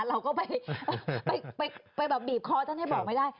เราก็ไปบีบคอตั้งให้บอกไม่ได้